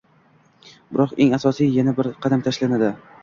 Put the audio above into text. Biroq eng asosiy yana bir qadam tashlanmadi.